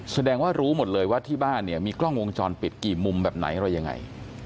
แสดงว่ารู้หมดเลยว่าที่บ้านเนี่ยมีกล้องวงจรปิดกี่มุมแบบไหนอะไรยังไง